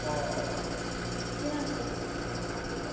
避難してた時に使ってたもの。